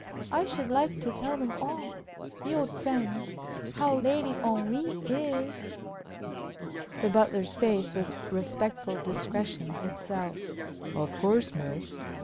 "I should like to tell them all the old friends how Lady Henry is." The butler's face was respectful discretion itself. "Of course, miss.